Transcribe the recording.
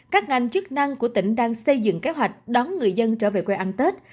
các ngành chức năng của tỉnh đang xây dựng kế hoạch đón người dân trở về quê ăn tết